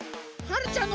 はるちゃん！